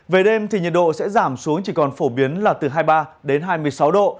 về đêm thì nhiệt độ sẽ giảm xuống chỉ còn phổ biến là từ hai mươi ba đến hai mươi sáu độ